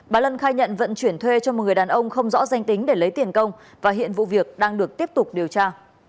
bà lân khai nhận vận chuyển thuê cho một người đàn ông không rõ danh tính để lấy tiền công và hiện vụ việc đang được tiếp tục điều tra